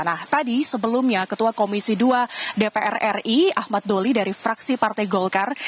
nah tadi sebelumnya ketua komisi dua dpr ri ahmad doli dari fraksi partai golkar